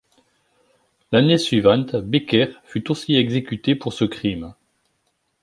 L'année suivante, Becker fut aussi exécuté pour ce crime.